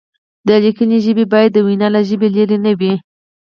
د لیکنې ژبه باید د وینا له ژبې لرې نه وي.